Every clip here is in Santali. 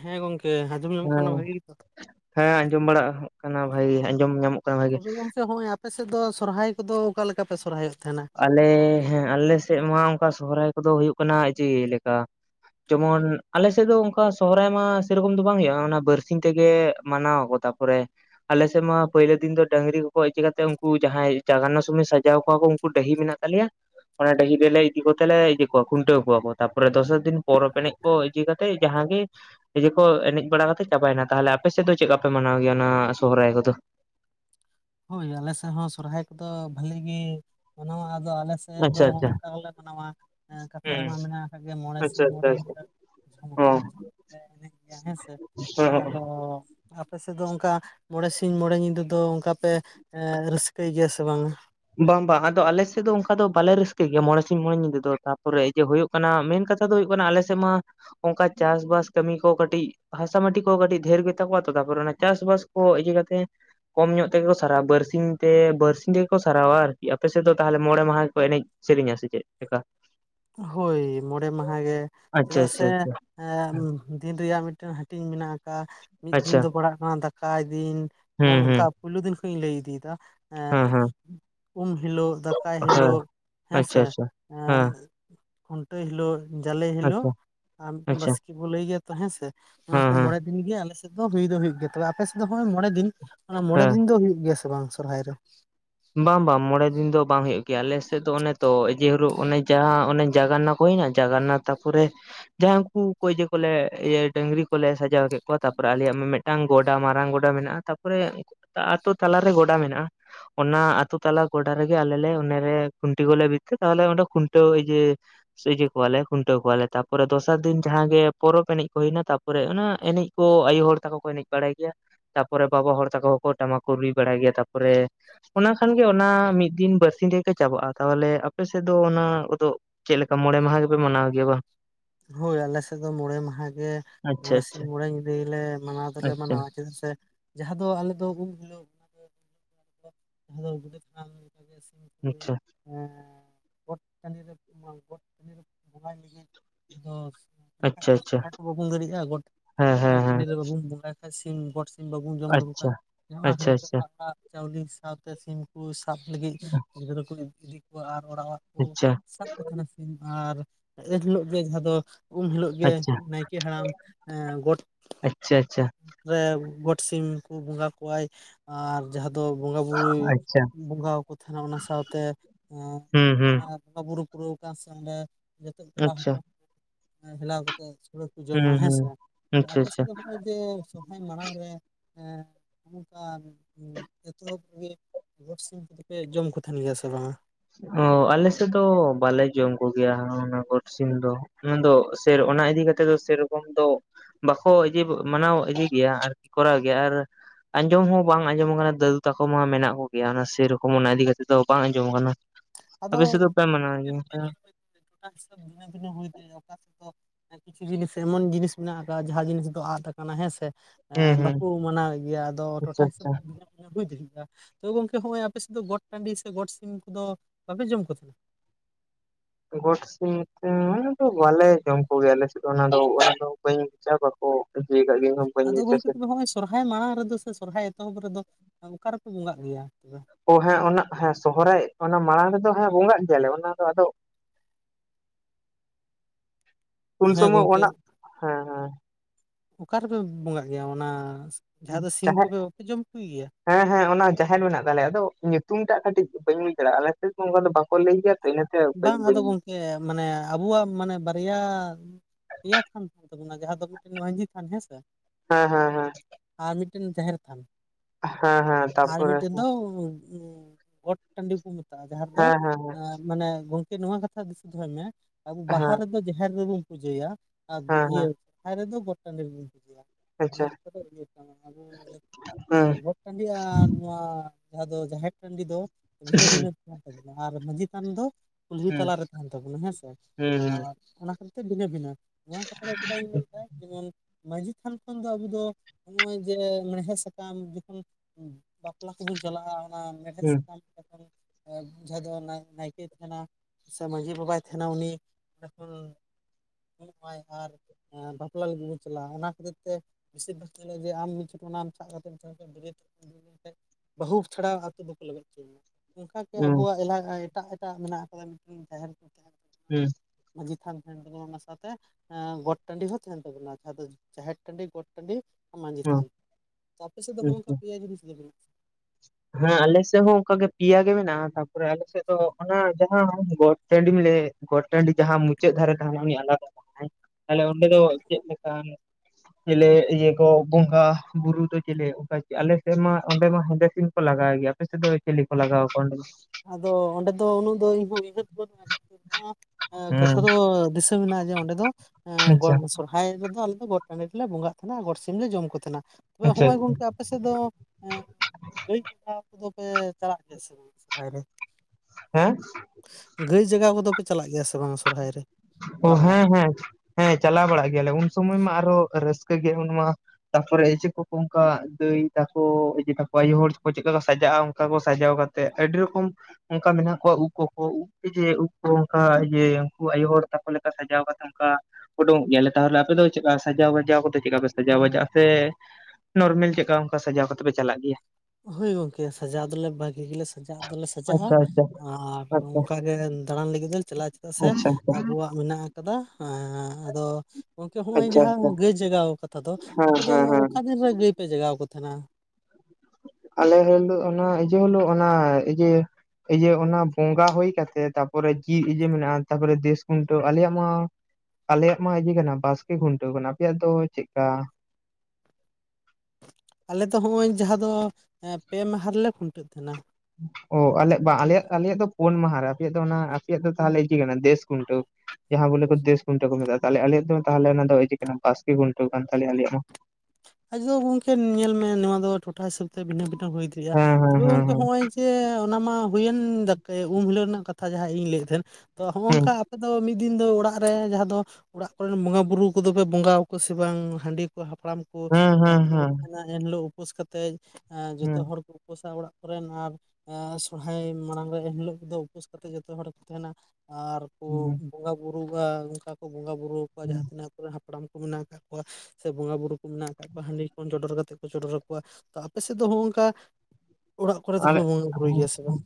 ᱦᱮᱸ ᱜᱚᱝᱠᱮ ᱟᱸᱡᱚᱢ ᱧᱟᱢᱚᱜ ᱦᱮᱸ ᱠᱟᱱᱟ ᱵᱷᱟᱜᱤ ᱜᱮᱛᱚ ᱦᱮᱸ ᱟᱸᱡᱚᱢ ᱵᱟᱲᱟᱜ ᱠᱟᱱᱟ ᱵᱷᱟᱜᱤ ᱜᱮ ᱟᱸᱡᱚᱢ ᱧᱟᱢᱚᱜ ᱠᱟᱱᱟ ᱵᱷᱟᱜᱮ [unintelligible] ᱦᱚᱸᱜ-ᱚᱭ ᱟᱯᱮ ᱥᱮᱫ ᱫᱚ ᱥᱚᱨᱦᱟᱭ ᱠᱚᱫᱚ ᱚᱠᱟ ᱞᱮᱠᱟ ᱯᱮ ᱥᱚᱨᱦᱟᱭᱚᱜᱼᱟ ᱟᱞᱮ ᱦᱮᱸ ᱟᱞᱮ ᱥᱮᱫ ᱢᱟ ᱚᱝᱠᱟ ᱥᱚᱦᱨᱟᱭ ᱠᱚᱫᱚ ᱦᱩᱭᱩᱜ ᱠᱟᱱᱟ ᱡᱮᱫᱮᱠᱟ ᱡᱮᱢᱚᱱ ᱟᱞᱮᱥᱮᱫ ᱫᱚ ᱚᱝᱠᱟ ᱥᱚᱦᱨᱟᱭ ᱢᱟ ᱥᱮᱨᱚᱠᱚᱢ ᱫᱚ ᱵᱟᱝ ᱦᱩᱭᱩᱜᱼᱟ ᱚᱱᱟ ᱵᱟᱨᱥᱤᱧ ᱛᱮᱜᱮ ᱢᱟᱱᱟᱣᱟ‌ ᱠᱚ ᱛᱟᱯᱚᱨᱮ ᱟᱞᱮᱥᱮᱫ ᱢᱟ ᱯᱳᱭᱞᱳ ᱫᱤᱱ ᱫᱚ ᱰᱟᱹᱝᱨᱤ ᱠᱚᱠᱚ ᱪᱤ ᱠᱟᱛᱮᱜ ᱩᱱᱠᱩ ᱡᱟᱦᱟᱸᱭ ᱡᱟᱜᱟᱱᱱᱟ ᱥᱚᱢᱚᱭ ᱥᱟᱡᱟᱣ ᱠᱚᱣᱟ ᱩᱝ ᱰᱟᱹᱦᱤ ᱢᱮᱱᱟᱜ ᱛᱟᱞᱮᱭᱟ ᱚᱱᱟ ᱰᱟᱹᱦᱤ ᱨᱮᱞᱮ ᱤᱫᱤ ᱠᱚᱛᱮᱞᱮ ᱤᱭᱟᱹ ᱠᱚᱣᱟ ᱠᱷᱩᱱᱴᱟᱹᱣ ᱠᱚᱣᱟ ᱠᱚ ᱛᱟᱯᱚᱨᱮ ᱫᱚᱥᱟᱨ ᱫᱤᱱ ᱯᱚᱨᱚᱵᱽ ᱮᱱᱮᱡ ᱠᱚ ᱤᱭᱟᱹ ᱠᱟᱛᱮ ᱡᱟᱦᱟᱸ ᱜᱮ ᱤᱭᱟᱹ ᱠᱚ ᱮᱱᱮᱡ ᱵᱟᱲᱟ ᱠᱟᱛᱮᱜ ᱪᱟᱵᱟᱭᱱᱟ ᱛᱟᱦᱚᱞᱮ ᱟᱯᱮ ᱥᱮᱫ ᱫᱚ ᱪᱮᱫ ᱞᱮᱠᱟ ᱯᱮ ᱢᱟᱱᱟᱣ ᱜᱮᱭᱟ ᱚᱱᱟ ᱥᱚᱦᱚᱨᱟᱭ ᱠᱚᱫᱚ? ᱦᱳᱭ ᱟᱞᱮ ᱥᱮᱫ ᱦᱚᱸ ᱥᱚᱨᱦᱟᱭ ᱠᱚᱫᱚ ᱵᱷᱟᱹᱞᱤ ᱜᱮ ᱢᱟᱱᱟᱣᱟ ᱟᱫᱚ ᱟᱞᱮ ᱛᱮ ᱫᱚ ᱟᱪᱪᱷᱟ ᱟᱪᱪᱷᱟ ᱦᱚᱝᱠᱟ ᱞᱮ ᱢᱟᱱᱟᱣᱟ, ᱠᱟᱛᱷᱟ ᱦᱩᱸ ᱨᱮᱢᱟ ᱢᱮᱱᱟᱜ ᱟᱠᱟᱫ ᱜᱮ ᱢᱚᱬᱮ ᱟᱪᱪᱷᱟ ᱥᱤᱧ ᱟᱪᱪᱷᱟ ᱢᱚᱬᱮ ᱟᱪᱪᱷᱟ ᱧᱤᱫᱟᱹ ᱚ [unintelligible] ᱦᱮᱸ ᱥᱮ ᱦᱮᱸ ᱟᱫᱚ ᱦᱮᱸ ᱟᱯᱮᱥᱮᱫ ᱫᱚ ᱚᱝᱠᱟ ᱢᱚᱬᱮ ᱥᱤᱧ ᱢᱚᱬᱮ ᱧᱤᱫᱟᱹ ᱫᱚ ᱚᱱᱠᱟ ᱯᱮ ᱨᱟᱹᱥᱠᱟᱹᱭ ᱜᱮᱭᱟ ᱥᱮ ᱵᱟᱝ? ᱵᱟᱝ ᱵᱟᱝ ᱟᱫᱚ ᱟᱞᱮᱥ ᱥᱮᱫ ᱫᱚ ᱚᱱᱠᱟ ᱫᱚ ᱵᱟᱞᱮ ᱨᱟᱹᱥᱠᱟᱹ ᱜᱮᱭᱟ ᱢᱚᱬᱮ ᱥᱤᱧ ᱢᱚᱬᱮ ᱧᱤᱫᱟᱹ ᱫᱚ ᱛᱯᱚᱨᱮ ᱤᱭᱟᱹ ᱦᱳᱭᱳᱜ ᱠᱟᱱᱟ ᱢᱮᱱ ᱠᱟᱛᱷᱟ ᱫᱚ ᱦᱩᱭᱩᱜ ᱠᱟᱱᱟ ᱟᱞᱮᱥᱮᱫ ᱢᱟ ᱚᱱᱠᱟ ᱪᱟᱥᱵᱟᱥ ᱠᱟᱹᱢᱤ ᱠᱚ ᱠᱟᱹᱴᱤᱜ ᱦᱟᱥᱟ ᱢᱟᱴᱤ ᱠᱚ ᱠᱟᱹᱴᱤᱡ ᱰᱷᱮᱨ ᱜᱮᱛᱟ ᱠᱚᱣᱟ ᱛᱚ ᱛᱟᱯᱚᱨᱮ ᱚᱱᱟ ᱪᱟᱥᱵᱟᱥ ᱠᱚ ᱤᱫᱤ ᱠᱟᱛᱮᱜ ᱠᱚᱢ ᱧᱚᱜ ᱛᱮᱜᱮᱠᱚ ᱥᱟᱨᱟᱜᱼᱟ ᱵᱟᱨᱥᱤᱧ ᱛᱮ ᱵᱟᱨᱥᱤᱧ ᱛᱮ ᱠᱚ ᱥᱟᱨᱟᱣᱟ ᱟᱨᱠᱤ ᱟᱯᱮ ᱥᱮᱫ ᱫᱚ ᱛᱟᱦᱚᱞᱮ ᱢᱚᱬᱮ ᱢᱟᱦᱟ ᱠᱚ ᱮᱱᱮᱡ ᱥᱮᱨᱮᱧᱟ ᱥᱮ ᱪᱮᱫ ᱮᱠᱟ? ᱦᱳᱭ ᱢᱚᱬᱮ ᱢᱟᱦᱟ ᱜᱮ ᱟᱪᱪᱷᱟ ᱪᱮᱫᱟᱜ ᱥᱮ ᱟᱪᱪᱷᱟ ᱟᱪᱪᱷᱟ ᱮ ᱫᱤᱱ ᱨᱮᱭᱟᱜ ᱢᱤᱫᱴᱮᱱ ᱦᱟᱹᱴᱤᱧ ᱢᱮᱱᱟᱜᱼᱟ᱾ ᱢᱤᱫ ᱫᱤᱱ ᱟᱪᱪᱷᱟ ᱫᱚ ᱯᱟᱲᱟᱜ ᱠᱟᱱᱟ ᱫᱟᱠᱟᱭ ᱫᱤᱱ ᱢᱟᱱᱮ ᱦᱩᱸ ᱦᱩᱸ ᱚᱱᱠᱟ ᱯᱳᱭᱞᱳ ᱫᱤᱱ ᱠᱷᱚᱱ ᱤᱧ ᱞᱟᱹᱭ ᱤᱫᱤᱭᱫᱟ᱾ ᱮ ᱦᱮᱸ ᱦᱮᱸ ᱦᱮᱸ ᱩᱢ ᱦᱤᱞᱳᱜ ᱫᱟᱠᱟᱭ ᱟᱪᱪᱷᱟ ᱦᱤᱞᱳᱜ ᱦᱮᱸᱥᱮ ᱟᱪᱪᱷᱟ ᱮ ᱦᱮᱸ ᱠᱷᱩᱱᱴᱟᱹᱣ ᱦᱤᱞᱳᱜ ᱡᱟᱞᱮ ᱦᱤᱞᱳᱜ ᱟᱪᱪᱷᱟ ᱟᱨ ᱢᱤᱫᱴᱮᱱ ᱟᱪᱪᱷᱟ ᱵᱟᱥᱠᱮ ᱵᱚ ᱞᱟᱹᱭ ᱜᱮᱭᱟ ᱛᱚ ᱦᱮᱸᱥᱮ ᱚᱱᱟ ᱦᱮᱸ ᱠᱚ ᱦᱮᱸ ᱢᱚᱬᱮ ᱫᱤᱱ ᱜᱮ ᱟᱞᱮᱥᱮᱫ ᱫᱚ ᱦᱩᱭ ᱫᱚ ᱦᱩᱭᱩᱜ ᱜᱮᱭᱟ᱾ ᱛᱚᱵᱮ ᱟᱯᱮᱥᱮᱫ ᱫᱚ ᱱᱚᱜᱼᱚᱭ ᱢᱚᱬᱮ ᱫᱤᱱ ᱚᱱᱟ ᱢᱚᱬᱮ ᱦᱮᱸ ᱫᱤᱱ ᱫᱚ ᱦᱩᱭᱩᱜ ᱜᱮᱭᱟ ᱥᱮ ᱵᱟᱝ ᱥᱚᱨᱦᱟᱭ ᱨᱮ? ᱵᱟᱝ ᱵᱟᱝ ᱢᱚᱬᱮ ᱫᱤᱱ ᱫᱚ ᱵᱟᱝ ᱦᱳᱭᱳᱜ ᱜᱮᱭᱟ ᱟᱞᱮᱥᱮᱫ ᱫᱚ ᱚᱱᱮ ᱛᱚ ᱤᱭᱟ. ᱦᱤᱞᱳᱜ ᱚᱱᱮ ᱡᱟᱦᱟᱸ ᱚᱱᱮ ᱡᱟᱜᱟᱱᱱᱟ ᱦᱳᱭᱱᱟ ᱡᱟᱜᱟᱱᱱᱟ ᱛᱟᱯᱚᱨᱮ ᱡᱟᱦᱟᱸ ᱩᱝᱠᱩ ᱠᱚᱭ ᱡᱮ ᱠᱚᱞᱮ ᱰᱟᱹᱝᱨᱤ ᱠᱚᱞᱮ ᱥᱟᱡᱟᱣ ᱠᱮᱜ ᱠᱚᱣᱟ ᱛᱟᱯᱚᱨᱮ ᱟᱞᱮᱭᱟᱜ ᱢᱮ ᱢᱮᱴ ᱢᱤᱫᱴᱟᱝ ᱜᱚᱰᱟ ᱢᱟᱨᱟᱝ ᱜᱚᱰᱟ ᱢᱮᱱᱟᱜᱼᱟ᱾ ᱛᱟᱯᱚᱨᱮ ᱟᱛᱳ ᱛᱟᱞᱟᱨᱮ ᱜᱚᱰᱟ ᱢᱮᱱᱟᱜᱼᱟ᱾ ᱚᱱᱟ ᱟᱛᱳ ᱛᱟᱞᱟ ᱜᱚᱰᱟ ᱨᱮᱜᱮ ᱟᱞᱮ ᱞᱮ ᱚᱱᱮ ᱠᱷᱩᱱᱴᱤ ᱜᱚᱞᱮ ᱵᱤᱫ ᱛᱮ ᱛᱟᱦᱚᱞᱮ ᱚᱸᱰᱮ ᱠᱷᱩᱱᱴᱟᱹᱣ ᱤᱡᱟᱹ ᱥ ᱤᱭᱟ. ᱠᱚᱣᱟᱞᱮ ᱠᱷᱩᱱᱴᱟᱹᱣ ᱠᱚᱣᱟᱞᱮ ᱛᱟᱯᱚᱨᱮ ᱫᱚᱥᱟᱨ ᱫᱤᱱ ᱡᱟᱦᱟᱸᱜ ᱜᱮ ᱯᱚᱨᱚᱵᱽ ᱮᱱᱮᱡ ᱠᱚ ᱦᱩᱭᱱᱟ ᱛᱟᱨᱯᱚᱨᱮ ᱚᱱᱟ ᱮᱱᱮᱡ ᱠᱳ ᱟᱭᱳ ᱦᱚᱲ ᱛᱟᱠᱚ ᱠᱚ ᱮᱱᱮᱡ ᱵᱟᱲᱟᱭ ᱜᱮᱭᱟ᱾ ᱛᱟᱯᱚᱨᱮ ᱵᱟᱵᱟ ᱦᱚᱲ ᱛᱟᱠᱚ ᱦᱚᱸᱠᱚ ᱴᱟᱢᱟᱠ ᱠᱚ ᱨᱩᱭ ᱵᱟᱲᱟᱭ ᱜᱮᱭᱟ ᱛᱟᱯᱚᱨᱮ ᱚᱱᱟ ᱠᱷᱟᱱᱜᱮ ᱚᱱᱟ ᱢᱤᱫ ᱫᱤᱱ ᱵᱟᱨᱥᱤᱧ ᱛᱮᱜᱮ ᱪᱟᱵᱟᱜᱼᱟ, ᱛᱟᱦᱚᱞᱮ ᱟᱯᱮᱥᱮᱫ ᱫᱚ ᱚᱱᱟ ᱫᱚ ᱪᱮᱜ ᱞᱮᱠᱟ ᱢᱚᱬᱮ ᱢᱟᱦᱟ ᱜᱮᱯᱮ ᱢᱟᱱᱟᱣ ᱜᱮᱭᱟ ᱵᱟᱝ? ᱦᱳᱭ ᱟᱞᱮᱥᱮᱫ ᱫᱚ ᱢᱚᱬᱮ ᱢᱟᱦᱟ ᱜᱮ ᱟᱪᱪᱷᱟ ᱢᱚᱬᱮ ᱟᱪᱪᱷᱟ ᱥᱤᱧ ᱢᱚᱬᱮ ᱧᱤᱫᱟᱹᱞᱮ ᱢᱟᱱᱟᱣ ᱫᱚᱞᱮ ᱟᱪᱪᱷᱟ ᱢᱟᱱᱟᱣᱟ ᱪᱮᱫᱟᱜ ᱥᱮ ᱡᱟᱦᱟᱸ ᱫᱚ ᱟᱞᱮ ᱫᱚ ᱩᱢ ᱦᱤᱞᱳᱜ [inaudible] ᱜᱚᱰᱮᱛ ᱦᱟᱲᱟᱢ [unintelligible] ᱥᱤᱢ ᱠᱩᱲᱟ. ᱭ ᱟᱪᱪᱷᱟ ᱮ ᱜᱚᱴ ᱴᱟᱸᱰᱤ ᱨᱮ ᱵᱚᱴ ᱴᱟᱸᱰᱤ ᱨᱮ ᱵᱚᱸᱜᱟᱭ ᱞᱟᱹᱜᱤᱫ ᱟᱫᱚ ᱟᱪᱪᱷᱟ [inaudible] ᱟᱪᱪᱷᱟ ᱥᱟᱦᱟ ᱠᱚ ᱵᱟᱵᱚᱱ ᱫᱟᱲᱮᱭᱟᱜᱼᱟ ᱜᱚᱴ ᱦᱮᱸ ᱦᱮᱸ ᱦᱮᱸ ᱴᱟᱸᱰᱤᱨᱮ ᱵᱟᱵᱚᱱ ᱵᱚᱸᱜᱟᱭ ᱥᱤᱢ ᱜᱚᱴ ᱥᱤᱢ ᱵᱟᱵᱚᱱ ᱡᱚᱢ ᱞᱮᱠᱚ ᱟᱪᱪᱷᱟ ᱠᱷᱟᱱ, ᱚᱱᱟ ᱟᱪᱪᱷᱟ ᱠᱷᱟᱹᱛᱤᱨ ᱛᱮ ᱟᱪᱪᱷᱟ ᱚᱲᱟᱜ ᱚᱲᱟᱜ ᱪᱟᱣᱞᱮ ᱥᱟᱶᱛᱮ ᱥᱤᱢ ᱠᱩ ᱥᱟᱵ ᱞᱟᱹᱜᱤᱜ ᱜᱤᱫᱽᱨᱟᱹ ᱠᱚ ᱤᱫᱤ ᱠᱚᱣᱟ ᱟᱨ ᱚᱲᱟᱜᱟᱜ ᱠᱚ ᱟᱪᱪᱷᱟ ᱥᱟᱵ ᱠᱚ ᱛᱟᱦᱮᱱᱟ ᱥᱤᱢ ᱟᱨ ᱮᱱ ᱦᱤᱞᱳᱜ ᱜᱮ ᱡᱟᱦᱟᱸ ᱫᱚ ᱩᱢ ᱦᱤᱞᱳᱜ ᱜᱮ ᱟᱪᱪᱷᱟ ᱱᱟᱭᱠᱮ ᱦᱟᱲᱟᱢ ᱮ ᱜᱚᱴ ᱟᱪᱪᱷᱟ ᱟᱪᱪᱷᱟ ᱨᱮ ᱜᱚᱴ ᱥᱤᱢ ᱠᱚ ᱵᱚᱸᱜᱟ ᱠᱚᱣᱟᱭ ᱟᱨ ᱡᱟᱦᱟᱸ ᱫᱚ ᱵᱚᱸᱜᱟ ᱵᱩᱨᱩ ᱟᱪᱪᱷᱟ ᱵᱚᱸᱜᱟ ᱟᱠᱚ ᱛᱟᱦᱮᱱᱟ ᱚᱱᱟ ᱥᱟᱶᱛᱮ ᱮᱸ ᱦᱩᱸ ᱦᱩᱸ ᱚᱱᱟ ᱵᱚᱸᱜᱟ ᱵᱩᱨᱩ ᱯᱩᱨᱟᱹᱣ ᱟᱠᱟᱱ ᱥᱮ ᱚᱸᱰᱮ ᱡᱚᱛᱮ ᱠᱚᱲᱟ ᱟᱪᱪᱷᱟ ᱦᱚᱯᱚᱱ ᱦᱮᱞᱟᱣ ᱠᱟᱛᱮ ᱥᱳᱲᱮ ᱦᱩᱸ ᱡᱚᱢᱟ ᱦᱩᱸ ᱦᱮᱸᱥᱮ, ᱟᱫᱚ ᱟᱪᱪᱷᱟ ᱟᱯᱮ ᱟᱪᱪᱷᱟ ᱥᱮᱫ ᱫᱚ ᱡᱮ ᱥᱚᱦᱨᱟᱭ ᱢᱟᱲᱟᱝ ᱨᱮ ᱮ ᱱᱚᱝᱠᱟᱱ ᱮᱛᱚᱦᱚᱵ ᱨᱮ ᱜᱚᱴ ᱥᱤᱢ ᱠᱚᱫᱚᱯᱮ ᱡᱚᱢ ᱠᱚ ᱫᱚ ᱛᱟᱦᱮᱱ ᱜᱮᱭᱟ ᱥᱮ ᱵᱟᱝᱟ? ᱚ ᱟᱞᱮ ᱥᱮᱫ ᱫᱚ ᱵᱟᱞᱮ ᱡᱚᱢ ᱠᱚᱜᱮᱭᱟ ᱚᱱᱟ ᱜᱚᱴ ᱥᱤᱢ ᱫᱚ᱾ ᱚᱱᱟ ᱫᱚ ᱥᱮᱨ ᱚᱱᱟ ᱤᱫᱤ ᱠᱟᱛᱮᱜ ᱫᱚ ᱥᱮᱨᱚᱠᱚᱢ ᱫᱚ ᱵᱟᱠᱚ ᱤᱭᱟᱹ ᱢᱟᱱᱟᱣ ᱤᱫᱤ ᱜᱮᱭᱟ ᱟᱨᱠᱤ ᱠᱚᱨᱟᱣ ᱜᱮᱭᱟ ᱟᱨ ᱟᱸᱡᱚᱢ ᱦᱚᱸ ᱵᱟᱝ ᱟᱸᱡᱚᱢ ᱠᱟᱱᱟ ᱫᱟᱫᱩ ᱛᱟᱠᱚ ᱢᱟ ᱢᱮᱱᱟᱜ ᱠᱚᱜᱮᱭᱟ, ᱚᱱᱟ ᱥᱮᱨᱚᱠᱚᱢ ᱚᱱᱟ ᱤᱫᱤ ᱠᱟᱛᱮᱜ ᱫᱚ ᱵᱟᱝ ᱟᱸᱡᱚᱢ ᱠᱟᱱᱟ᱾ ᱟᱯᱮᱥᱮᱜ ᱫᱚᱯᱮ ᱢᱟᱱᱟᱣ ᱜᱮᱭᱟ [unintelligible] ᱴᱚᱴᱟ ᱦᱤᱥᱟᱹᱵ ᱵᱷᱤᱱᱟᱹ ᱵᱷᱤᱱᱟᱹ ᱦᱳᱭᱫᱟᱲᱮᱭᱟᱜ ᱚᱠᱟ ᱥᱮᱫ ᱫᱚ [inaudible] ᱮ ᱠᱤᱪᱷᱩ ᱡᱤᱱᱤᱥ ᱮᱢᱚᱱ ᱡᱤᱱᱤᱥ ᱢᱮᱱᱟᱜ ᱠᱟᱜᱼᱟ, ᱡᱟᱦᱟᱸ ᱡᱤᱱᱤᱥ ᱫᱚ ᱟᱫ ᱠᱟᱱᱟ ᱦᱮᱸᱥᱮ᱾ ᱦᱩᱸ ᱦᱮᱸ ᱦᱩᱸ ᱵᱟᱠᱚ ᱢᱟᱱᱟᱣᱮᱫ ᱜᱮᱭᱟ ᱟᱫᱚ ᱟᱪᱪᱷᱟ ᱴᱚᱴᱷᱟ ᱦᱤᱥᱟᱹᱵ ᱟᱪᱪᱷᱟ ᱛᱮ ᱦᱩᱭ ᱫᱟᱲᱮᱭᱟᱜᱼᱟ ᱛᱚ ᱜᱚᱝᱠᱮ ᱦᱚᱸᱜ ᱚᱭ ᱟᱯᱮᱥᱮᱫ ᱫᱚ ᱜᱚᱴ ᱴᱟᱺᱰᱤ ᱥᱮ ᱜᱚᱴ ᱥᱤᱢ ᱠᱚᱫᱚ ᱵᱟᱯᱮ ᱡᱚᱢ ᱠᱚᱛᱮ ᱜᱚᱴ ᱥᱤᱢ ᱛᱮ ᱵᱟᱞᱮ ᱡᱚᱢ ᱠᱚᱜᱮᱭᱟ ᱟᱞᱮᱥᱮᱫ ᱫᱚ ᱚᱱᱟᱫᱚ ᱚᱱᱟᱫᱚ ᱵᱟᱹᱧ ᱵᱩᱪᱟ ᱵᱟᱠᱚ ᱟᱫᱚ ᱜᱚᱝᱠᱮ ᱛᱚᱵᱮ [inaudible] ᱦᱚᱸᱜᱼᱚᱭ ᱥᱚᱨᱦᱟᱭ ᱢᱟᱲᱟᱝ ᱨᱮᱫᱚ ᱥᱮ ᱥᱚᱨᱦᱟᱭ ᱮᱛᱚᱦᱚᱵ ᱨᱮᱫᱚ ᱚᱠᱟ ᱨᱮᱯᱮ ᱵᱚᱸᱜᱟᱜ ᱜᱮᱭᱟ ᱛᱚᱵᱮ ᱚ ᱦᱮᱸ ᱚᱱᱟ ᱦᱮᱸ ᱥᱚᱦᱨᱟᱭ ᱚᱱᱟ ᱢᱟᱲᱟᱝ ᱨᱮᱫᱚ ᱦᱮᱸ ᱵᱚᱸᱜᱟᱜ ᱜᱮᱭᱟᱞᱮ ᱚᱱᱟᱫᱚ ᱟᱫᱚ ᱩᱱ ᱦᱮᱸ ᱥᱚᱢᱚᱭ ᱜᱚᱝᱠᱮ ᱚᱱᱟᱜ ᱦᱮᱸ ᱦᱮᱸ ᱚᱠᱟ ᱨᱮᱯᱮ ᱵᱚᱸᱜᱟᱜ ᱜᱮᱭᱟ ᱚᱱᱟ ᱡᱟᱦᱟᱸ ᱫᱚ ᱥᱤᱢ ᱡᱟᱦᱮᱨ ᱠᱚᱯᱮ ᱵᱟᱯᱮ ᱡᱚᱢ ᱠᱚᱜᱮ ᱜᱮᱭᱟ ᱦᱮᱸ ᱦᱮᱸ ᱚᱱᱟ ᱡᱟᱦᱮᱨ ᱢᱮᱱᱟᱜ ᱛᱟᱞᱮᱭᱟ ᱟᱫᱚ ᱧᱩᱛᱩᱢ ᱴᱟᱜ ᱠᱟᱹᱴᱤᱡ ᱵᱟᱹᱧ ᱵᱩᱡ ᱫᱟᱲᱮᱭᱟᱜᱼᱟ ᱟᱞᱮ ᱥᱮᱫ ᱫᱚ ᱚᱱᱟ ᱫᱚ ᱵᱟᱠᱚ ᱞᱟᱹᱭ ᱜᱮᱭᱟ ᱛᱚ ᱤᱱᱟᱹᱛᱮ ᱵᱟᱹᱧ ᱵᱟᱝ ᱟᱫᱚ ᱵᱟᱹᱧ ᱜᱚᱝᱠᱮ ᱢᱟᱱᱮ ᱟᱵᱚᱣᱟᱜ ᱢᱟᱱᱮ ᱵᱟᱨᱭᱟ ᱯᱮᱭᱟ ᱛᱷᱟᱱ ᱛᱟᱦᱮ ᱛᱟᱵᱳᱱᱟ ᱡᱟᱦᱟᱸ ᱫᱚ ᱢᱟᱹᱡᱷᱤ ᱛᱷᱟᱱ ᱦᱮᱸᱥᱮ ᱦᱮᱸ ᱦᱮᱸ ᱦᱮᱸ ᱟᱨ ᱢᱤᱫᱴᱮᱱ ᱡᱟᱦᱮᱨ ᱛᱷᱟᱱ ᱦᱮᱸ ᱦᱮᱸ ᱟᱨ ᱛᱟᱯᱚᱨᱮ ᱢᱤᱫᱴᱮᱱ ᱫᱚ ᱦᱮᱸ ᱜᱚᱴ ᱴᱟᱺᱰᱤ ᱠᱚ ᱢᱮᱛᱟᱜᱼᱟ ᱡᱟᱦᱟᱸ ᱨᱮᱫᱚ ᱦᱮᱸ ᱦᱮᱸ ᱢᱟᱱᱮ ᱜᱚᱢᱠᱮ ᱱᱚᱣᱟ ᱠᱟᱛᱷᱟ ᱫᱤᱥᱟᱹ ᱫᱚᱦᱚᱭ ᱢᱮ ᱟᱵᱚ ᱵᱟᱦᱟ ᱨᱮᱫᱚ ᱡᱟᱦᱮᱨ ᱨᱮᱵᱚᱱ ᱯᱩᱡᱟᱹᱭᱟ ᱟᱨ ᱦᱮᱸ ᱤᱭᱟᱹ ᱦᱮᱸ ᱥᱟᱭ ᱨᱮᱫᱚ ᱜᱚᱴ ᱴᱟᱺᱰᱤ ᱨᱮ ᱯᱩᱡᱟᱹᱜ-ᱟ ᱟᱪᱪᱷᱟ ᱦᱩᱸ [inaudible] ᱜᱚᱴ ᱴᱟᱺᱰᱤ ᱟᱨ ᱱᱚᱣᱟ ᱡᱟᱦᱟᱸ ᱫᱚ ᱡᱟᱦᱮᱨ ᱴᱟᱺᱰᱤ ᱫᱚ ᱵᱷᱤᱱᱟᱹ ᱵᱷᱤᱱᱟᱹ ᱛᱟᱦᱮᱱ ᱛᱟᱵᱚᱱᱟ ᱟᱨ ᱢᱟᱹᱡᱷᱤ ᱛᱷᱟᱱ ᱫᱚ ᱠᱩᱞᱦᱤ ᱦᱩᱸ ᱛᱟᱞᱟᱨᱮ ᱛᱟᱦᱮᱱ ᱛᱟᱵᱚᱱᱟ ᱦᱮᱸᱥᱮ ᱦᱩᱸ ᱟᱨ ᱚᱱᱟ ᱠᱷᱟᱹᱛᱤᱨ ᱛᱮ ᱵᱷᱤᱱᱟᱹ ᱵᱷᱤᱱᱟᱹ ᱱᱚᱣᱟ ᱠᱟᱛᱷᱟ ᱫᱚ ᱪᱮᱫᱟᱜ ᱤᱧ ᱞᱟᱹᱭᱫᱟ ᱡᱮᱢᱚᱱ ᱢᱟᱺᱡᱷᱤ ᱛᱷᱟᱱ ᱠᱷᱚᱱ ᱫᱚ ᱟᱵᱚ ᱫᱚ ᱱᱚᱜ ᱚᱭ ᱡᱮ ᱢᱮᱲᱦᱮᱫ ᱥᱟᱠᱟᱢ ᱡᱚᱠᱷᱚᱱ ᱵᱟᱯᱞᱟ ᱠᱚᱵᱚᱱ ᱪᱟᱞᱟᱜᱼᱟ ᱚᱱᱟ ᱢᱮᱲᱦᱮᱫ ᱦᱩᱸ ᱥᱟᱠᱟᱢ [inaudible] ᱱᱟᱭᱠᱮ ᱛᱟᱦᱮᱱᱟ ᱥᱮ ᱢᱟᱺᱡᱷᱤ ᱵᱟᱵᱟᱭ ᱛᱟᱦᱮᱱᱟ ᱩᱱᱤ ᱚᱸᱰᱮ ᱠᱷᱚᱱ ᱟᱭ ᱟᱨ ᱵᱟᱯᱞᱟ ᱞᱟᱹᱜᱤᱫ ᱵᱚᱱ ᱪᱟᱞᱟᱜᱼᱟ ᱚᱱᱟ ᱠᱷᱟᱹᱛᱤᱨ ᱛᱮ [inaudible] ᱥᱟᱵ ᱠᱟᱛᱮ [inaudible] ᱢᱮᱱᱠᱷᱟᱱ ᱵᱟᱹᱦᱩ ᱪᱷᱟᱲᱟ ᱟᱛᱳ ᱫᱚᱠᱚ [inaudible] ᱚᱱᱠᱟᱜᱮ ᱦᱩᱸ ᱟᱵᱚᱣᱟᱜ [unintelligible] ᱮᱴᱟᱜ ᱮᱴᱟᱜ ᱢᱮᱱᱟᱜ ᱠᱟᱫᱟ ᱢᱤᱫᱴᱮᱱ ᱡᱟᱦᱮᱨ ᱠᱚ ᱛᱟᱦᱮᱸᱱ ᱦᱩᱸ ᱢᱟᱺᱡᱷᱤ ᱛᱷᱟᱱ ᱛᱟᱦᱮᱱ ᱠᱟᱱᱟ ᱚᱱᱟ ᱥᱟᱶᱛᱮ ᱜᱚᱴ ᱴᱟᱺᱰᱤ ᱦᱚᱸ ᱛᱟᱦᱮᱱ ᱛᱟᱵᱚᱱᱟ ᱡᱟᱸᱦᱟ ᱫᱚ ᱡᱟᱦᱮᱨ ᱴᱟᱺᱰᱤ ᱜᱚᱴ ᱴᱟᱺᱰᱤ ᱢᱟᱺᱡᱷᱤ ᱦᱩᱸ ᱛᱷᱟᱱ ᱟᱯᱮ ᱥᱮᱫ ᱫᱚ ᱦᱩᱸ ᱦᱚᱸᱜᱼᱚᱭ ᱦᱩᱸ ᱱᱚᱝᱠᱟ ᱯᱮᱭᱟ ᱡᱤᱱᱤᱥ ᱜᱮ ᱢᱮᱱᱟᱜᱼᱟ ᱦᱮᱸ ᱟᱞᱮᱥᱮᱫ ᱦᱚᱸ ᱚᱱᱠᱟ ᱜᱮ ᱯᱮᱭᱟ ᱜᱮ ᱢᱮᱱᱟᱜᱼᱟ ᱛᱟᱯᱚᱨᱮ ᱟᱞᱮᱥᱮᱫ ᱫᱚ ᱚᱱᱟ ᱡᱟᱦᱟᱸ ᱜᱚᱲ ᱴᱟᱺᱰᱤᱢ ᱞᱟᱹᱭ ᱜᱚᱴ ᱴᱟᱺᱰᱤ ᱡᱟᱦᱟᱸ ᱢᱩᱪᱟᱹᱫ ᱫᱷᱟᱨᱮ ᱛᱟᱦᱮᱱᱟ ᱩᱱᱤ ᱟᱞᱟᱫᱟ ᱛᱟᱦᱮᱱᱟᱭ ᱟᱞᱮ ᱚᱸᱰᱮ ᱫᱚ ᱪᱮᱫ ᱞᱮᱠᱟ [inaudible] ᱪᱮᱞᱮ ᱤᱭᱟᱹ ᱠᱚ ᱵᱚᱸᱜᱟ ᱵᱩᱨᱩ ᱫᱚ ᱪᱮᱞᱮ ᱚᱱᱠᱟ ᱟᱞᱮᱥᱮᱫ ᱢᱟ ᱚᱸᱰᱮ ᱢᱟ ᱦᱮᱸᱫ ᱥᱮᱱ ᱞᱟᱜᱟᱭ ᱜᱮᱭᱟ ᱟᱯᱮᱥᱮᱫ ᱫᱚ ᱪᱮᱞᱮ ᱠᱚ ᱞᱟᱜᱟᱣ ᱠᱚᱣᱟ [inaudible] ᱟᱫᱚ ᱚᱸᱰᱮ ᱫᱚ ᱩᱱᱟᱹᱜ ᱫᱚ ᱤᱧ ᱦᱚ ᱩᱭᱦᱟᱹᱨ [inaudible] ᱦᱮᱸ ᱠᱟᱛᱷᱟ ᱫᱚ ᱫᱤᱥᱟᱹ ᱢᱮᱱᱟᱜᱼᱟ ᱡᱮ ᱚᱸᱰᱮ ᱫᱚ ᱜᱚᱲ ᱟᱪᱪᱷᱟ [unintelligible] [unintelligible] ᱨᱮᱫᱚ ᱟᱞᱮ ᱫᱚ ᱜᱚᱴ ᱴᱟᱺᱰᱤ ᱨᱮᱞᱮ ᱵᱚᱸᱜᱟᱜ ᱛᱟᱦᱮᱱᱟ ᱟᱨ ᱜᱚᱴ ᱥᱤᱢ ᱞᱮ ᱡᱚᱢ ᱠᱚ ᱛᱟᱦᱮᱱᱟ ᱟᱪᱪᱷᱟ ᱦᱚᱸᱜᱼᱚᱭ ᱟᱪᱪᱷᱟ ᱜᱚᱝᱠᱮ ᱟᱯᱮ ᱥᱮᱫ ᱫᱚ ᱜᱟᱹᱭ [inaudible] ᱫᱚᱯᱮ ᱪᱟᱞᱟᱜ ᱜᱮᱭᱟ ᱥᱮ ᱵᱟᱝ ᱟᱨ ᱦᱮᱸ ᱜᱟᱹᱭ ᱡᱟᱜᱟᱣ ᱠᱚᱫᱚ ᱯᱮ ᱪᱟᱞᱟᱜ ᱜᱮᱭᱟ ᱥᱮ ᱵᱟᱝ ᱥᱮ ᱚ ᱦᱮᱸ ᱦᱮᱸ ᱦᱮᱸ ᱪᱟᱞᱟᱣ ᱵᱟᱲᱟᱜ ᱜᱮᱭᱟᱞᱮ ᱩᱱ ᱥᱚᱢᱚᱭ ᱢᱟ ᱟᱨᱚ ᱨᱟᱹᱥᱠᱟᱹ ᱜᱮ ᱩᱱᱢᱟ ᱛᱟᱯᱚᱨᱮ ᱪᱮᱫ ᱠᱚᱠᱚ ᱚᱱᱠᱟ ᱫᱟᱹᱭ ᱛᱟᱠᱚ ᱤᱭᱳ ᱛᱟᱠᱚ ᱟᱭᱳ ᱦᱚᱲ ᱛᱟᱠᱚ ᱪᱮᱫᱠᱟ ᱠᱚ ᱥᱟᱡᱟᱜᱼᱟ ᱚᱱᱠᱟ ᱠᱚ ᱥᱟᱡᱟᱣ ᱠᱟᱛᱮ ᱛᱮ ᱟᱹᱰᱤ ᱨᱚᱠᱚᱢ ᱚᱱᱠᱟ ᱢᱮᱱᱟᱜ ᱠᱚᱣᱟ ᱩᱵ ᱠᱚ ᱠᱚ ᱩᱵ ᱡᱮ ᱩᱵ ᱠᱚ ᱚᱱᱠᱟ ᱤᱭᱟᱹ ᱩᱱᱠᱩ ᱟᱭᱳ ᱦᱚᱲ ᱛᱟᱠᱚ ᱞᱮᱠᱟ ᱥᱟᱡᱟᱣ ᱠᱟᱛᱮ ᱚᱱᱠᱟ ᱩᱰᱩᱝᱚᱜ ᱜᱮᱭᱟᱞᱮ ᱛᱟᱦᱚᱞᱮ ᱟᱯᱮ ᱫᱚ ᱪᱮᱠᱟ ᱥᱟᱡᱟᱣ ᱵᱟᱡᱟᱣ ᱠᱟᱛᱮ ᱪᱮᱫᱠᱟ ᱯᱮ ᱥᱟᱡᱟᱣ ᱵᱟᱡᱟ ᱟᱯᱮ ᱱᱚᱨᱢᱮᱞ ᱪᱮᱫᱠᱟ ᱚᱱᱠᱟ ᱥᱟᱡᱟᱣ ᱠᱟᱛᱮ ᱯᱮ ᱪᱟᱞᱟᱜ ᱜᱮᱭᱟ ᱦᱚᱳᱭ ᱜᱚᱝᱠᱮ ᱥᱟᱡᱟᱣ ᱫᱚᱞᱮ ᱵᱷᱟᱜᱤ ᱜᱮᱞᱮ ᱥᱟᱡᱟᱜ ᱫᱚ ᱞᱮ ᱥᱟᱡᱟᱜᱼᱟ ᱟᱪᱪᱷᱟ ᱟᱪᱪᱷᱟ ᱟᱨ ᱟᱪᱪᱷᱟ ᱚᱱᱠᱟ ᱜᱮ ᱫᱟᱬᱟᱱ ᱞᱟᱹᱜᱤᱫ ᱵᱤᱱ ᱪᱟᱞᱟᱜ ᱪᱮᱫᱟᱜ ᱥᱮ ᱟᱪᱪᱷᱟ ᱟᱵᱚᱣᱟᱜ ᱢᱮᱱᱟᱜ ᱟᱠᱟᱫᱟ ᱟᱫᱚ ᱜᱚᱝᱠᱮ ᱦᱚᱸᱜ ᱚᱭ ᱟᱪᱪᱷᱟ ᱟᱪᱪᱷᱟ ᱟᱪᱪᱷᱟ ᱡᱟᱦᱟᱸ ᱜᱟᱹᱭ ᱡᱟᱜᱟᱣ ᱠᱟᱛᱷᱟ ᱫᱚ ᱦᱮᱸ ᱟᱯᱮ ᱫᱚ ᱦᱮᱸ ᱦᱮᱸ ᱚᱠᱟ ᱫᱤᱱ ᱨᱮ ᱜᱟᱹᱭ ᱯᱮ ᱡᱟᱜᱟᱣ ᱠᱚ ᱛᱟᱦᱮᱸᱱᱟ ᱟᱞᱮ ᱨᱮᱱ ᱫᱚ ᱚᱱᱟ ᱤᱭᱟᱹ ᱦᱤᱞᱳᱜ ᱚᱱᱟ ᱤᱭᱟᱹ ᱤᱭᱟᱹ ᱚᱱᱟ ᱵᱚᱸᱜᱟ ᱦᱩᱭ ᱠᱟᱛᱮᱜ ᱛᱟᱯᱚᱨᱮ ᱡᱮᱤᱭᱟᱹᱢᱮᱱᱟᱜᱼᱟ ᱛᱟᱯᱚᱨᱮ ᱫᱮᱥ ᱠᱷᱩᱱᱴᱟᱹᱣ ᱟᱞᱮᱭᱟᱜ ᱢᱟ ᱟᱞᱮᱭᱟᱜ ᱢᱟ ᱤᱭᱟᱹ ᱠᱟᱱᱟ ᱵᱟᱥᱠᱮ ᱠᱷᱩᱱᱴᱟᱹᱣ ᱠᱟᱱᱟ ᱟᱯᱮᱭᱟᱜ ᱫᱚ ᱪᱮᱫ ᱞᱮᱠᱟ ᱟᱞᱮᱚ ᱫᱚ ᱦᱚᱜᱼᱚᱭ ᱡᱟᱦᱟᱸ ᱫᱚ ᱯᱮ ᱢᱟᱦᱟ ᱨᱮᱞᱮ ᱠᱷᱩᱱᱴᱟᱹᱜ ᱛᱟᱦᱮᱸᱱᱟ ᱚ ᱟᱞᱮᱜ ᱵᱟᱝ ᱟᱞᱮ ᱟᱞᱮᱭᱟᱜ ᱫᱚ ᱯᱩᱱ ᱢᱟᱦᱟᱸ ᱨᱮ ᱟᱯᱮᱭᱟᱜ ᱫᱚ ᱚᱱᱟ ᱟᱯᱮᱭᱟᱜ ᱫᱚ ᱛᱟᱦᱚᱞᱮ ᱤᱭᱟᱹ ᱠᱟᱱᱟ ᱫᱮᱥ ᱠᱷᱩᱱᱴᱟᱹᱣ ᱡᱟᱦᱟᱸ ᱵᱚᱞᱮ ᱠᱚ ᱫᱮᱥ ᱠᱷᱩᱱᱴᱟᱹᱣ ᱠᱚ ᱢᱮᱛᱟᱜ-ᱟ ᱛᱟᱦᱚᱞᱮ ᱟᱞᱮᱭᱟᱜ ᱫᱚ ᱛᱟᱦᱚᱞᱮ ᱚᱱᱟ ᱫᱚ ᱤᱭᱟᱹ ᱠᱟᱱᱟ ᱵᱟᱥᱠᱮ ᱠᱷᱩᱱᱴᱟᱹ ᱠᱟᱱ ᱛᱟᱞᱮᱭᱟ ᱟᱞᱮᱭᱟᱜ ᱢᱟ ᱟᱡᱚ ᱜᱚᱝᱠᱮ ᱧᱮᱞ ᱢᱮ ᱱᱚᱣᱟ ᱫᱚ ᱴᱚᱴᱷᱟ ᱦᱤᱥᱟᱹᱵ ᱛᱮ ᱵᱷᱤᱱᱟᱹ ᱵᱷᱤᱱᱟᱹ ᱦᱩᱭ ᱫᱟᱲᱮᱭᱟᱜᱼᱟ ᱦᱮᱸ ᱦᱮᱸ ᱛᱚᱵᱮ ᱦᱮᱸ ᱜᱚᱝᱠᱮ ᱦᱚᱜ-ᱚᱭ ᱡᱮ ᱚᱱᱟ ᱢᱟ ᱦᱩᱭᱮᱱ ᱫᱟᱠ ᱩᱢ ᱦᱤᱞᱳᱜ ᱨᱮᱱᱟᱜ ᱠᱟᱛᱷᱟ ᱡᱟᱦᱟᱸ ᱤᱧ ᱞᱟᱹᱭᱮᱫ ᱛᱟᱦᱮᱸᱱ ᱛᱚ ᱱᱚᱜ ᱦᱮᱸ ᱱᱚᱝᱠᱟ ᱟᱫᱚ ᱢᱤᱫ ᱫᱤᱱ ᱫᱚ ᱚᱲᱟᱜ ᱨᱮ ᱡᱟᱦᱟᱸ ᱫᱚ ᱚᱲᱟᱜ ᱠᱚᱨᱮᱱ ᱵᱚᱸᱜᱟ ᱵᱩᱨᱩ ᱠᱚᱫᱚ ᱯᱮ ᱵᱚᱸᱜᱟᱚᱣᱟᱠᱚ ᱥᱮ ᱵᱟᱝ ᱦᱟᱺᱰᱤ ᱠᱚ ᱦᱟᱯᱲᱟᱢ ᱠᱚ ᱠᱚ ᱦᱮᱸ ᱦᱮᱸ ᱡᱟᱦᱟᱸ ᱦᱮᱸ ᱛᱤᱱᱟᱹᱜ ᱠᱚ ᱦᱮᱸ ᱛᱟᱦᱮᱸᱱᱟ ᱮᱱᱦᱤᱞᱳᱜ ᱩᱯᱟᱹᱥ ᱠᱟᱛᱮᱫ ᱡᱚᱛᱚ ᱦᱮᱸ ᱦᱚᱲ ᱠᱚ ᱩᱯᱟᱹᱥᱟ ᱚᱲᱟᱜ ᱠᱚᱨᱮᱱ ᱟᱨ ᱥᱚᱨᱦᱟᱭ ᱢᱟᱲᱟᱝ ᱨᱮ ᱮᱱᱦᱤᱞᱳᱜ ᱫᱚ ᱩᱯᱟᱹᱥ ᱠᱟᱛᱮᱫ ᱡᱚᱛᱚ ᱦᱚᱲ ᱠᱚ ᱛᱟᱦᱮᱸᱱᱟ ᱟᱨ ᱠᱚ ᱦᱩᱸ ᱵᱚᱸᱜᱟ ᱵᱩᱨᱩᱜᱼᱟ ᱚᱱᱠᱟ ᱠᱚ ᱵᱚᱸᱜᱟ ᱵᱩᱨᱩ ᱟᱠᱚᱣᱟ ᱦᱩᱸ ᱡᱟᱦᱟᱸᱛᱤᱱᱟᱹᱜ ᱦᱟᱯᱲᱟᱢ ᱠᱚ ᱢᱮᱱᱟᱜ ᱟᱠᱟᱜ ᱠᱚᱣᱟ ᱥᱮ ᱵᱚᱸᱜᱟ ᱵᱩᱨᱩ ᱠᱚ ᱢᱮᱱᱟᱜ ᱠᱟᱜ ᱠᱚᱣᱟ ᱦᱟᱺᱰᱤ ᱠᱷᱚᱱ ᱪᱚᱰᱚᱨ ᱠᱟᱛᱮ ᱠᱚ ᱪᱚᱰᱚᱨ ᱟᱠᱚᱣᱟ ᱛᱚ ᱟᱯᱮ ᱥᱮᱫ ᱫᱚ ᱱᱚᱜᱼᱚ ᱱᱚᱝᱠᱟ ᱚᱲᱟᱜ ᱠᱚᱨᱮ ᱫᱚ ᱟᱞᱮ ᱯᱮ ᱵᱚᱸᱜᱟ ᱵᱩᱨᱩᱭ ᱦᱩᱸ ᱜᱮᱭᱟ ᱥᱮ ᱦᱩᱸ ᱵᱟᱝ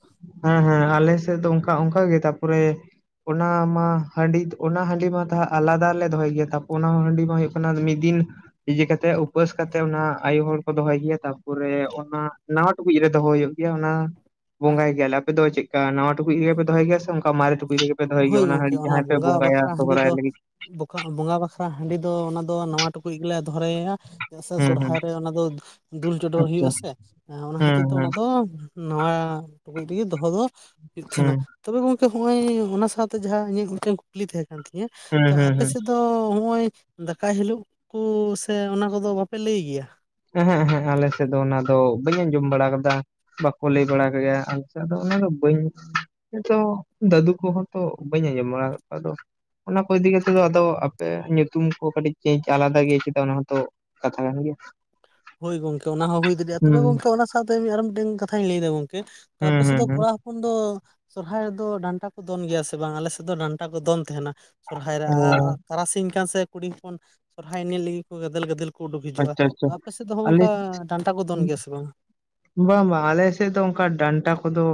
ᱦᱮᱸ ᱦᱮᱸ ᱟᱞᱮ ᱥᱮᱫ ᱫᱚ ᱚᱱᱠᱟ ᱚᱱᱠᱟ ᱜᱮ ᱛᱟᱯᱚᱨᱮ ᱚᱱᱟ ᱢᱟ ᱦᱟᱺᱰᱤ ᱚᱱᱟ ᱦᱟᱺᱰᱤ ᱢᱟ ᱛᱟᱦ ᱟᱞᱟᱫᱟ ᱞᱮ ᱫᱚᱦᱚᱭ ᱜᱮᱭᱟ ᱛᱟᱯᱚᱨ ᱚᱱᱟ ᱦᱟᱺᱰᱤ ᱢᱟ ᱦᱳᱭᱳᱜ ᱠᱟᱱᱟ ᱢᱤᱫ ᱫᱤᱱ ᱤᱡᱟᱹ ᱠᱟᱛᱮ ᱩᱯᱟᱹᱥ ᱠᱟᱛᱮᱜ ᱚᱱᱟ ᱟᱭᱩ ᱦᱚᱲ ᱠᱚ ᱫᱚᱦᱚᱭ ᱜᱮᱭᱟ ᱛᱟᱯᱚᱨᱮ ᱚᱱᱟ ᱱᱟᱣᱟ ᱴᱩᱠᱩᱡ ᱨᱮ ᱫᱚᱦᱚᱭ ᱦᱩᱭᱩᱜ ᱜᱮᱭᱟ ᱚᱱᱟ ᱵᱚᱸᱜᱟᱭ ᱜᱮᱭᱟ ᱞᱮ ᱟᱯᱮ ᱫᱚ ᱪᱮᱫᱠᱟ ᱱᱟᱣᱟ ᱴᱩᱠᱩᱡ ᱨᱮᱜᱮ ᱯᱮ ᱫᱚᱦᱚᱭ ᱜᱮᱭᱟ ᱥᱮ ᱚᱱᱠᱟ ᱢᱟᱨᱮ ᱴᱩᱠ ᱠᱩᱡ ᱨᱮᱜᱮ ᱯᱮ ᱫᱚᱦᱚᱭ ᱦᱳᱭ ᱜᱮᱭᱟ ᱚᱱᱟ ᱜᱚᱝᱠᱮ ᱦᱟᱸᱹᱰᱤ ᱡᱟᱦᱟᱸᱭ ᱯᱮ ᱵᱚᱸᱜᱟ ᱵᱚᱸᱜᱟᱭᱟ ᱵᱟᱠᱷᱨᱟ ᱦᱟᱺᱰᱤ ᱥᱚᱦᱚᱨᱟᱭ ᱫᱚ ᱞᱟᱹᱜᱤᱫ ᱵᱚᱠᱟ ᱵᱚᱸᱜᱟ ᱵᱟᱠᱷᱨᱟ ᱦᱟᱺᱰᱤ ᱫᱚ ᱚᱱᱟ ᱫᱚ ᱱᱟᱣᱟ ᱴᱩᱠᱩᱡ ᱜᱮᱞᱮ ᱫᱚᱦᱨᱟᱭᱟ ᱪᱮᱫᱟᱜ ᱥᱮ ᱦᱩᱸ ᱦᱩᱸ ᱥᱚᱨᱦᱟᱭ ᱨᱮ ᱚᱱᱟ ᱫᱚ ᱫᱩᱞ ᱪᱚᱰᱚᱨ ᱟᱪᱪᱷᱟ ᱦᱩᱭᱩᱜ-ᱟ ᱥᱮ ᱚᱱᱟ ᱠᱷᱟᱹᱛᱤᱨ ᱦᱩᱸ ᱛᱮ ᱚᱱᱟ ᱦᱩᱸ ᱫᱚ ᱱᱟᱣᱟ ᱴᱩᱠᱩᱡ ᱛᱮᱜᱮ ᱫᱚᱦᱚ ᱫᱚ ᱦᱩᱭᱩᱜ ᱛᱟᱦᱮᱸᱱᱟ ᱦᱩᱸ ᱛᱚᱵᱮ ᱜᱚᱝᱠᱮ ᱦᱚᱜ-ᱚᱭ ᱚᱱᱟ ᱥᱟᱶᱛᱮ ᱡᱟᱦᱟᱸ ᱤᱧᱟᱹᱜ ᱜᱚᱝᱠᱮ ᱠᱩᱠᱞᱤ ᱛᱟᱦᱮᱸ ᱠᱟᱱ ᱛᱤᱧᱟᱹ ᱦᱩᱸ ᱦᱩᱸ ᱟᱯᱮ ᱦᱩᱸ ᱥᱮᱫ ᱫᱚ ᱫᱚ ᱦᱚᱜᱼᱚᱭ ᱫᱟᱠᱟᱭ ᱦᱤᱞᱳᱜ ᱠᱚ ᱥᱮ ᱚᱱᱟ ᱠᱚ ᱫᱚ ᱵᱟᱯᱮ ᱞᱟᱹᱭ ᱜᱮᱭᱟ ᱮᱦᱸᱮᱜ ᱮᱦᱮᱸᱜᱸ ᱟᱞᱮ ᱥᱮᱫ ᱫᱚ ᱚᱱᱟ ᱫᱚ ᱵᱟᱹᱧ ᱟᱸᱡᱚᱢ ᱵᱟᱲᱟ ᱟᱠᱟᱫᱟ ᱵᱟᱠᱚ ᱞᱟᱹᱭ ᱵᱟᱲᱟ ᱠᱟᱜ ᱜᱮᱭᱟ ᱟᱞᱮᱥᱮᱫ ᱫᱚ ᱚᱱᱟ ᱫᱚ ᱵᱟᱹᱧ ᱱᱤᱛᱚ ᱫᱟᱹᱫᱩ ᱠᱚ ᱦᱚᱸ ᱛᱚ ᱵᱟᱹᱧ ᱟᱸᱡᱚᱢ ᱵᱟᱲᱟ ᱠᱟᱫ ᱠᱚᱣᱟ ᱟᱫᱚ ᱚᱱᱟ ᱠᱚ ᱤᱫᱤ ᱠᱟᱛᱮ ᱫᱚ ᱟᱫᱚ ᱟᱯᱮ ᱧᱩᱛᱩᱢ ᱠᱚ ᱠᱟᱹᱴᱤᱡ ᱪᱮᱧᱡ ᱟᱞᱟᱫᱟ ᱜᱮᱭᱟ ᱪᱟ ᱚᱱᱟ ᱦᱚᱸᱛᱚ ᱠᱟᱛᱷᱟ ᱠᱟᱱ ᱜᱮᱭᱟ ᱦᱳᱭ ᱜᱚᱝᱠᱮ ᱚᱱᱟ ᱦᱚᱸ ᱦᱩᱭ ᱫᱟᱲᱮᱭᱟᱜᱼᱟ ᱦᱩᱸ ᱛᱚᱵᱮ ᱜᱚᱢᱠᱮ ᱚᱱᱟ ᱥᱟᱶᱛᱮ ᱟᱨᱚ ᱢᱤᱫᱴᱮᱱ ᱠᱟᱛᱷᱟᱧ ᱞᱟᱹᱭ ᱮᱫᱟ ᱜᱚᱝᱠᱮ ᱦᱩᱸ ᱛᱟᱯᱮ ᱥᱮᱫ ᱦᱩᱸ ᱫᱚ ᱦᱩᱸ ᱠᱚᱲᱟ ᱛᱚᱠᱷᱚᱱ ᱫᱚ ᱥᱚᱨᱦᱟᱭ ᱨᱮ ᱫᱚ ᱰᱟᱱᱴᱟ ᱠᱚ ᱫᱚᱱ ᱜᱮᱭᱟ ᱥᱮ ᱵᱟᱝ ᱟᱞᱮ ᱥᱮᱫ ᱫᱚ ᱰᱟᱱᱴᱟ ᱠᱚ ᱫᱚᱱ ᱛᱟᱦᱮᱸᱱᱟ ᱥᱚᱨᱦᱟᱭ ᱨᱮ ᱚ ᱟᱨ ᱛᱟᱨᱟᱥᱤᱧ ᱠᱟᱱ ᱥᱮ ᱠᱩᱲᱤᱧ ᱦᱚᱯᱚᱱ ᱥᱚᱨᱦᱟᱭ ᱧᱮᱞ ᱞᱟᱹᱜᱤᱫ ᱠᱚ ᱜᱟᱫᱮᱞ ᱜᱟᱫᱮᱞ ᱩᱰᱩᱠ ᱦᱤᱡᱩᱜᱼᱟ ᱟᱪᱪᱷᱟ ᱟᱪᱪᱷᱟ ᱟᱯ ᱟᱞᱮ [unintelligible] ᱵᱟᱝ ᱵᱟᱝ ᱟᱞᱮ ᱥᱮᱫ ᱫᱚ ᱚᱱᱠᱟ ᱰᱟᱱᱴᱟ ᱠᱚ ᱫᱚ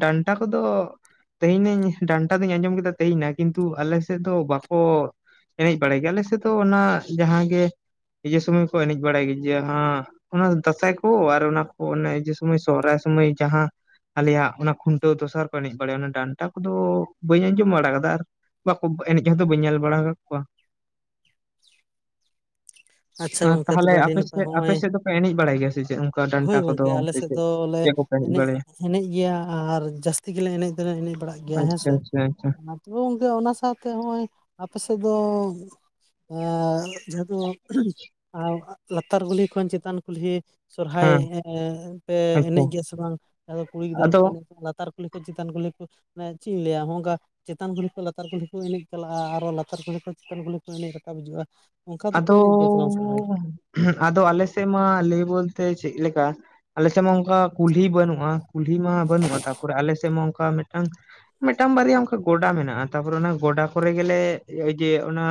ᱰᱟᱱᱴᱟ ᱠᱚ ᱫᱚ ᱛᱮᱦᱤᱧ ᱱᱟᱧ ᱰᱟᱱᱴᱟ ᱫᱩᱧ ᱟᱸᱡᱚᱢ ᱠᱮᱫᱟ ᱛᱮᱦᱮᱧ ᱱᱟ ᱠᱤᱱᱛᱩ ᱟᱞᱮ ᱥᱮᱫ ᱫᱚ ᱵᱟᱠᱚ ᱮᱱᱮᱡ ᱵᱟᱲᱟᱭ ᱜᱮᱭᱟ ᱟᱞᱮ ᱥᱮᱫ ᱛᱚ ᱚᱱᱟ ᱡᱟᱦᱟᱸ ᱜᱮ ᱫᱚᱢᱮ ᱠᱚ ᱮᱱᱮᱡ ᱵᱟᱲᱟᱭ ᱜᱮᱭᱟ ᱡᱟᱦᱟᱸ ᱚᱱᱟ ᱫᱟᱸᱥᱟᱭ ᱠᱚ ᱟᱨ ᱚᱱᱟ ᱠᱚ ᱚᱱᱮ ᱡᱮ ᱥᱚᱢᱚᱭ ᱥᱚᱦᱨᱟᱭ ᱥᱩᱢᱚᱭ ᱡᱟᱦᱟᱸ ᱟᱞᱮᱭᱟᱜ ᱚᱱᱟ ᱠᱷᱩᱱᱴᱟᱹᱣ ᱫᱚᱥᱟᱨ ᱠᱚ ᱮᱱᱮᱡ ᱵᱟᱲᱟᱭᱟ ᱚᱱᱟ ᱰᱟᱱᱴᱟ ᱠᱚᱫᱚ ᱵᱟᱹᱧ ᱟᱸᱡᱚᱢ ᱵᱟᱲᱟ ᱠᱟᱫᱟ ᱟᱨ ᱵᱟᱠᱚ ᱮᱱᱮᱡ ᱦᱚᱸᱛᱚ ᱵᱟᱹᱧ ᱧᱮᱞ ᱵᱟᱲᱟ ᱟᱠᱟᱫ ᱠᱚᱣᱟ ᱟᱪᱪᱷᱟ ᱟᱨ ᱜᱚᱝᱠᱮ ᱛᱟᱦᱚᱞᱮ ᱛᱚᱵᱮ ᱟᱰᱤ ᱟᱯᱮ ᱱᱟᱯᱟᱭ ᱥᱮᱫ ᱟᱯᱮ ᱦᱚᱸᱜᱼᱚᱭ ᱥᱮᱫ ᱫᱚᱯᱮ ᱮᱱᱮᱡ ᱵᱟᱲᱟᱭ ᱜᱮᱭᱟ ᱥᱮ ᱪᱮᱫ ᱚᱝ ᱦᱳᱭ ᱜᱚᱝᱠᱮ ᱟᱞᱮᱥᱮᱫ ᱫᱚᱞᱮ ᱮᱱᱮᱡ ᱮᱱᱮᱡ ᱜᱮᱭᱟ ᱟᱨ ᱡᱟᱥᱛᱤ ᱜᱮᱞᱮ ᱮᱱᱮᱡ ᱫᱚᱞᱮ ᱮᱱᱮᱡ ᱵᱟᱲᱟᱜ ᱜᱮᱭᱟ ᱦᱮᱸ ᱟᱪᱪᱷᱟ ᱥᱮ ᱟᱪᱪᱷᱟ ᱟᱪᱪᱷᱟ ᱜᱚᱝᱠᱮ ᱚᱱᱟ ᱥᱟᱶᱛᱮ ᱱᱚᱜᱼᱚᱭ ᱟᱯᱮ ᱥᱮᱫ ᱫᱚ ᱡᱮᱦᱮᱛᱩ ᱞᱟᱛᱟᱨ ᱜᱩᱞᱤ ᱠᱷᱚᱱ ᱪᱮᱛᱟᱱ ᱠᱩᱞᱦᱤ ᱥᱚᱨᱦᱟᱭ ᱦᱮᱸ ᱯᱮ ᱟᱪᱪᱷᱟ ᱮᱱᱮᱡ ᱜᱮᱭᱟ ᱥᱮ ᱵᱟᱝ ᱟᱫᱚ ᱠᱩᱲᱤ ᱜᱤᱫᱽᱨᱟᱹ ᱠᱚ ᱟᱫᱚ ᱮᱱᱮᱡ ᱞᱟᱛᱟᱨ ᱠᱩᱞᱦᱤ ᱠᱚ ᱪᱮᱛᱟᱱ ᱠᱩᱞᱤ ᱠᱚ ᱢᱟᱱᱮ ᱪᱮᱫ ᱤᱧ ᱞᱟᱹᱭᱟ ᱱᱚᱜ ᱱᱚᱝᱠᱟ ᱪᱮᱛᱟᱱ ᱠᱩᱞᱦᱤ ᱠᱷᱚᱡᱽ ᱞᱟᱛᱟᱨ ᱠᱩᱞᱦᱤ ᱠᱚ ᱮᱱᱮᱡ ᱪᱟᱞᱟᱜᱼᱟ ᱟᱨᱚ ᱞᱟᱛᱟᱨ ᱠᱩᱞᱦᱤ ᱠᱷᱚᱡᱽ ᱪᱮᱛᱟᱱ ᱠᱩᱞᱦᱤ ᱠᱚ ᱮᱱᱮᱡ ᱨᱟᱠᱟᱵ ᱦᱤᱡᱩᱜᱼᱟ ᱚᱱᱠᱟ ᱫᱚᱠᱚ ᱟᱫᱚ ᱮᱱᱮᱡ ᱜᱮᱭᱟ ᱥᱮ ᱵᱟᱝ ᱥᱚᱨᱦᱟᱭ ᱟᱫᱚ ᱟᱞᱮ ᱥᱮᱫ ᱢᱟ ᱞᱟᱹᱭ ᱵᱚᱞᱛᱮ ᱪᱮᱫ ᱞᱮᱠᱟ ᱟᱞᱮ ᱥᱮᱫ ᱢᱟ ᱚᱱᱠᱟ ᱠᱩᱞᱦᱤ ᱵᱟᱹᱱᱩᱜᱼᱟ ᱠᱩᱞᱦᱤ ᱢᱟ ᱵᱟᱹᱱᱩᱜᱼᱟ ᱛᱟᱯᱚᱨᱮ ᱟᱞᱮ ᱥᱮᱫ ᱢᱟ ᱚᱱᱠᱟ ᱢᱤᱫᱴᱟᱝ ᱵᱟᱨᱭᱟ ᱚᱱᱠᱟ ᱜᱚᱰᱟ ᱢᱮᱱᱟᱜᱼᱟ ᱛᱟᱯᱚᱨᱮ ᱚᱱᱟ ᱜᱚᱰᱟ ᱠᱚ ᱨᱮ ᱜᱮ ᱞᱮ ᱤᱡᱟᱹᱭᱟ ᱚᱱᱟ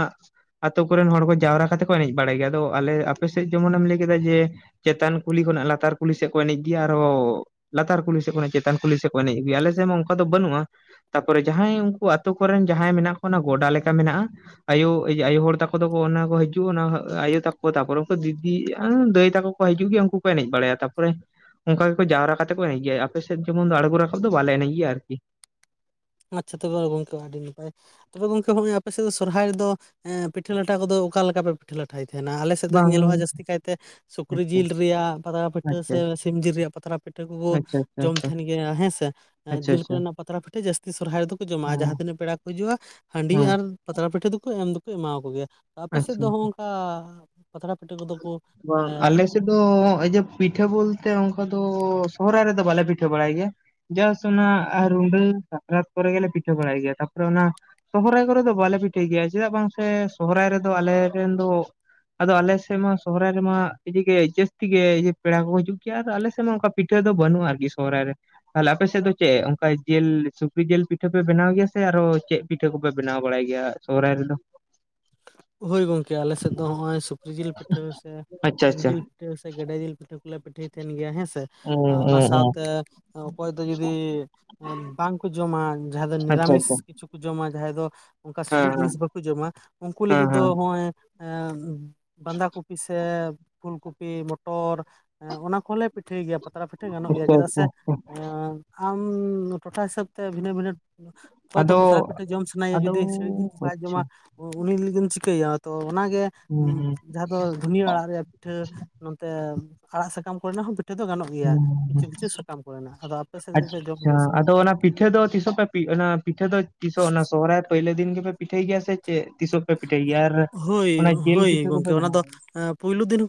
ᱟᱛᱳ ᱠᱚ ᱨᱮᱱ ᱦᱚᱲ ᱠᱚ ᱡᱟᱣᱨᱟ ᱠᱟᱛᱮ ᱠᱚ ᱮᱱᱮᱡ ᱵᱟᱲᱟᱭ ᱜᱮᱭᱟ ᱟᱫᱚ ᱟᱞᱮ ᱟᱯᱮ ᱥᱮᱫ ᱡᱮᱢᱚᱱᱮᱢ ᱞᱟᱹᱭ ᱠᱮᱫᱟ ᱡᱮ ᱪᱮᱛᱟᱱ ᱠᱩᱞᱦᱤ ᱠᱷᱚᱱᱟᱜ ᱞᱟᱛᱟᱨ ᱠᱩᱞᱦᱤ ᱥᱮᱫ ᱠᱚ ᱮᱱᱮᱡ ᱜᱮᱭᱟ ᱟᱨᱦᱚᱸ ᱞᱟᱛᱟᱨ ᱠᱩᱞᱦᱤ ᱥᱮᱫ ᱠᱷᱚᱱᱟᱜ ᱪᱮᱛᱟᱱ ᱠᱩᱞᱦᱤ ᱥᱮᱫ ᱠᱚ ᱮᱱᱮᱡ ᱟᱜᱩᱭᱟ ᱟᱞᱮ ᱥᱮᱫ ᱢᱟ ᱚᱱᱠᱟ ᱫᱚ ᱵᱟᱱᱩᱜᱼᱟ ᱛᱟᱯᱚᱨᱮ ᱡᱟᱸᱦᱟᱸᱭ ᱩᱱᱠᱩ ᱟᱛᱳ ᱠᱚᱨᱮᱱ ᱡᱟᱸᱦᱟᱸᱭ ᱢᱮᱱᱟᱜ ᱠᱚ ᱚᱱᱟ ᱜᱚᱰᱟ ᱞᱮᱠᱟ ᱢᱮᱱᱟᱜᱼᱟ ᱟᱭᱳ ᱟᱭᱳ ᱦᱚᱲ ᱛᱟᱠᱚ ᱫᱚᱠᱚ ᱚᱱᱟ ᱦᱤᱡᱩᱜ ᱚᱱᱟ ᱟᱭᱳ ᱛᱟᱠᱚ ᱛᱟᱯᱚᱨᱮ ᱩᱱᱠᱩ ᱫᱤᱫᱤ ᱫᱟᱹᱭ ᱛᱟᱠᱚ ᱠᱚ ᱦᱤᱡᱩᱜ ᱜᱮᱭᱟ ᱩᱱᱠᱩ ᱠᱚ ᱮᱱᱮᱡ ᱵᱟᱲᱟᱭᱟ ᱛᱟᱯᱚᱨᱮ ᱚᱱᱠᱟ ᱜᱮᱠᱚ ᱡᱟᱣᱨᱟ ᱠᱟᱛᱮ ᱠᱚ ᱮᱱᱮᱡ ᱜᱮᱭᱟ ᱟᱯᱮ ᱥᱮᱫ ᱡᱮᱢᱚᱱ ᱟᱬᱜᱚ ᱨᱟᱠᱟᱵ ᱫᱚ ᱵᱟᱞᱮ ᱮᱱᱮᱡ ᱜᱮᱭᱟ ᱟᱨᱠᱤ ᱟᱪᱪᱷᱟ ᱛᱚᱵᱮ ᱜᱚᱢᱠᱮ ᱟᱰᱤ ᱱᱟᱯᱟᱭ ᱛᱚᱵᱮ ᱜᱚᱝᱠᱮ ᱦᱚᱸᱜᱼᱚᱭ ᱟᱯᱮ ᱥᱮᱫ ᱫᱚ ᱥᱚᱨᱦᱟᱭ ᱨᱮᱫᱚ ᱯᱤᱴᱷᱟᱹ ᱞᱟᱴᱷᱟ ᱠᱚᱫᱚ ᱚᱠᱟ ᱞᱮᱠᱟ ᱯᱮ ᱯᱤᱴᱷᱟᱹ ᱞᱟᱴᱷᱟᱭ ᱛᱟᱦᱮᱱᱟ ᱟᱞᱮ ᱥᱮᱫ ᱫᱚ ᱧᱮᱞᱚᱜᱼᱟ ᱵᱟᱝ ᱡᱟᱥᱛᱤ ᱠᱟᱭᱛᱮ ᱥᱩᱠᱨᱤ ᱟᱪᱪᱷᱟ ᱡᱤᱞ ᱨᱮᱭᱟᱜ ᱯᱟᱛᱲᱟ ᱯᱤᱴᱷᱟᱹ ᱟᱪᱪᱷᱟ ᱥᱮ ᱥᱤᱢ ᱡᱤᱞ ᱨᱮᱭᱟᱜ ᱯᱟᱛᱲᱟ ᱯᱤᱴᱷᱟᱹ ᱠᱩᱠᱩ ᱟᱪᱪᱷᱟ ᱟᱪᱪᱷᱟ ᱡᱚᱢ ᱟᱪᱪᱷᱟ ᱛᱟᱦᱮᱱ ᱜᱮᱭᱟ ᱦᱮᱸᱥᱮ ᱟᱪᱪᱷᱟ ᱡᱤᱞ ᱟᱪᱪᱷᱟ ᱠᱚᱨᱮᱱᱟᱜ ᱯᱟᱛᱲᱟ ᱯᱤᱴᱷᱟᱹ ᱡᱟᱥᱛᱤ ᱥᱚᱨᱦᱟᱭ ᱨᱮᱫᱚ ᱠᱚ ᱡᱚᱢᱟ ᱟᱨ ᱡᱟᱸᱦᱟᱸ ᱦᱮᱸ ᱛᱤᱱᱟᱹᱜ ᱯᱮᱲᱟ ᱠᱚ ᱦᱤᱡᱩᱜᱼᱟ ᱦᱟᱺᱰᱤ ᱦᱮᱸ ᱟᱨ ᱯᱟᱛᱲᱟ ᱯᱤᱴᱷᱟᱹ ᱫᱚᱠᱚ ᱮᱢ ᱫᱚᱠᱚ ᱮᱢᱟᱣᱟ ᱠᱚ ᱜᱮᱭᱟ ᱟᱯᱮ ᱥᱮᱫ ᱟᱪᱪᱷᱟ ᱫᱚ ᱦᱚᱸᱜᱼᱚ ᱚᱝᱠᱟ ᱯᱟᱛᱲᱟ ᱯᱤᱴᱷᱟᱹ ᱠᱚᱫᱚ ᱠᱩ ᱵᱟᱝ ᱟᱞᱮᱥ ᱥᱮᱫ ᱫᱚ ᱚᱭᱡᱮ ᱯᱤᱴᱷᱟᱹ ᱵᱚᱞᱛᱮ ᱚᱱᱠᱟ ᱫᱚ ᱥᱚᱦᱚᱨᱟᱭ ᱨᱮᱫᱚ ᱵᱟᱞᱮ ᱯᱤᱴᱷᱟᱹ ᱵᱟᱲᱟᱭ ᱜᱮᱭᱟ ᱡᱟᱥ ᱚᱱᱟ ᱨᱩᱸᱰᱟᱹ ᱥᱟᱠᱨᱟᱛ ᱠᱚᱨᱮ ᱜᱮᱞᱮ ᱯᱤᱴᱷᱟᱹ ᱵᱟᱲᱟᱭ ᱜᱮᱭᱟ ᱛᱟᱯᱚᱨᱮ ᱚᱱᱟ ᱥᱚᱦᱨᱟᱭ ᱠᱚᱨᱮ ᱫᱚ ᱵᱟᱞᱮ ᱯᱤᱴᱷᱟᱹᱭ ᱜᱮᱭᱟ ᱪᱮᱫᱟᱜ ᱵᱟᱝ ᱥᱮ ᱥᱚᱦᱨᱟᱭ ᱨᱮᱫᱚ ᱟᱞᱮᱨᱮᱱ ᱫᱚ ᱟᱫᱚ ᱟᱞᱮᱥ ᱥᱮ ᱢᱟ ᱥᱚᱦᱚᱨᱟᱭ ᱨᱮᱢᱟ ᱤᱭᱟᱹ ᱜᱮ ᱡᱟᱥᱛᱤ ᱜᱮ ᱤᱭᱟᱹ ᱯᱮᱲᱟ ᱠᱚ ᱦᱤᱡᱩᱜ ᱜᱮᱭᱟ ᱟᱞᱮ ᱥᱮᱫ ᱢᱟ ᱚᱝᱠᱟ ᱯᱤᱴᱷᱟᱹ ᱫᱚ ᱵᱟᱱᱩᱜᱼᱟ ᱟᱨᱠᱤ ᱥᱚᱨᱦᱟᱭ ᱨᱮ ᱛᱟᱦᱞᱮ ᱟᱯᱮ ᱥᱮᱫ ᱫᱚ ᱪᱮᱫ ᱚᱱᱠᱟ ᱡᱤᱞ ᱥᱩᱠᱨᱤ ᱡᱤᱞ ᱯᱤᱴᱷᱟᱹ ᱯᱮ ᱵᱮᱱᱟᱣ ᱜᱮᱭᱟ ᱥᱮ ᱟᱨᱚ ᱪᱮᱫ ᱯᱤᱴᱷᱟᱹ ᱠᱚᱯᱮ ᱵᱮᱱᱟᱣ ᱵᱟᱲᱟᱭ ᱜᱮᱭᱟ ᱥᱚᱦᱨᱟᱭ ᱨᱮᱫᱚ ᱦᱳᱭ ᱜᱚᱝᱠᱮ ᱟᱞᱮ ᱥᱮᱫ ᱫᱚ ᱱᱚᱜᱼᱚᱭ ᱥᱩᱠᱨᱤ ᱡᱤᱞ ᱯᱤᱴᱷᱟᱹ ᱥᱮ ᱟᱪᱪᱷᱟ ᱥᱤᱢ ᱟᱪᱪᱷᱟ ᱡᱤᱞ ᱯᱤᱴᱷᱟᱹ ᱥᱮ ᱜᱮᱰᱮ ᱡᱤᱞ ᱯᱤᱴᱷᱟᱹ ᱠᱚᱞᱮ ᱯᱤᱴᱷᱟᱹᱭ ᱛᱟᱦᱮᱱ ᱜᱮᱭᱟ ᱦᱮᱸᱥᱮ ᱚ ᱚ ᱚᱱᱟ ᱚ ᱥᱟᱶᱛᱮ ᱚᱠᱚᱭ ᱫᱚ ᱡᱩᱫᱤ ᱵᱟᱝᱠᱚ ᱡᱚᱢᱟ ᱡᱟᱸᱦᱟᱸ ᱫᱚ ᱟᱪᱪᱷᱟ ᱱᱤᱨᱟᱢᱤᱥ ᱟᱪᱪᱷᱟ ᱠᱤᱪᱷᱩ ᱡᱚᱢᱟ ᱡᱟᱸᱦᱟᱸᱭ ᱫᱚ ᱚᱱᱠᱟ ᱦᱮᱸ ᱥᱤᱲᱤᱡ ᱦᱮᱸ ᱡᱤᱱᱤᱥ ᱵᱟᱠᱩ ᱡᱚᱢᱟ ᱩᱱᱠᱩ ᱦᱮᱸ ᱞᱟᱜᱤᱫ ᱫᱚ ᱦᱮᱸ ᱱᱚᱜᱼᱚᱭ ᱵᱟᱸᱫᱷᱟ ᱠᱚᱯᱤ ᱥᱮ ᱯᱷᱩᱞ ᱠᱚᱯᱤ ᱢᱚᱴᱚᱨ ᱚᱱᱟ ᱠᱚᱞᱮ ᱯᱤᱴᱷᱟᱹᱭ ᱜᱮᱭᱟ ᱯᱟᱛᱲᱟ ᱯᱤᱴᱷᱟᱹ ᱜᱟᱱᱚᱜ ᱜᱮᱭᱟ ᱟᱪᱪᱷᱟ ᱪᱮᱫᱟᱜ ᱟᱪᱪᱷᱟ ᱥᱮ ᱟᱪᱪᱷᱟ ᱟᱢ ᱴᱚᱴᱷᱟ ᱦᱤᱥᱟᱹᱵ ᱛᱮ ᱵᱷᱤᱱᱟᱹ ᱵᱷᱤᱱᱟᱹ ᱚᱠᱚᱭ ᱫᱚ ᱟᱫᱚ ᱯᱟᱛᱲᱟ ᱯᱤᱴᱷᱟᱹ ᱡᱚᱢ ᱥᱟᱱᱟᱭ ᱮᱭᱟ ᱟᱫᱚ ᱡᱩᱫᱤ ᱥᱤᱲᱤᱡ ᱡᱤᱱᱤᱥ ᱵᱟᱭ ᱡᱚᱢᱟ ᱟᱪᱪᱷᱟ ᱩᱱᱤ ᱞᱟᱹᱜᱤᱢ ᱪᱤᱠᱟᱹᱮᱭᱟ ᱛᱚ ᱚᱱᱟᱜᱮ ᱦᱩᱸ ᱡᱟᱸᱦᱟᱸ ᱫᱚ ᱫᱷᱩᱱᱤᱭᱟᱹ ᱟᱲᱟᱜ ᱨᱮᱭᱟᱜ ᱯᱤᱴᱷᱟᱹ ᱱᱚᱛᱮ ᱟᱲᱟᱜ ᱥᱟᱠᱟᱢ ᱠᱚᱨᱮᱱᱟᱜ ᱦᱚᱸ ᱯᱤᱴᱷᱟᱹ ᱫᱚ ᱜᱟᱱᱚᱜ ᱦᱩᱸ ᱜᱮᱭᱟ ᱦᱩᱸ ᱠᱤᱪᱷᱩ ᱦᱩᱸ ᱠᱤᱪᱷᱩ ᱥᱟᱠᱟᱢ ᱠᱚᱨᱮᱱᱟᱜ ᱟᱫᱚ ᱟᱯᱮ ᱥᱮᱫ ᱯᱮ ᱡᱚᱢ ᱟᱪᱪᱷᱟ ᱜᱮᱭᱟ ᱥᱮ ᱵᱟᱝ ᱟᱫᱚ ᱚᱱᱟ ᱯᱤᱴᱷᱟᱹ ᱫᱚ ᱛᱤᱥᱚᱜ ᱯᱮ ᱯᱤ ᱚᱱᱟ ᱯᱤᱴᱷᱟᱹ ᱫᱚ ᱛᱤᱥᱚ ᱚᱱᱟ ᱥᱚᱦᱚᱨᱟᱭ ᱯᱳᱭᱞᱳ ᱫᱤᱱ ᱜᱮᱯᱮ ᱯᱤᱴᱷᱟᱹᱭ ᱜᱮᱭᱟ ᱥᱮ ᱪᱮᱜ ᱛᱤᱥᱚ ᱯᱮ ᱯᱤᱴᱷᱟᱹᱭ ᱜᱮᱭᱟ ᱟᱨ ᱚᱱᱟ ᱡᱤᱞ ᱯᱤᱴᱷᱟᱹ ᱠᱚᱯᱮ ᱵᱮᱱᱟᱣᱭᱟ ᱯᱳᱭᱞᱳ ᱫᱤᱱ ᱦᱩᱸ